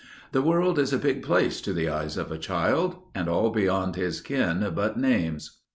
The world is a big place to the eyes of a child, and all beyond his ken but names.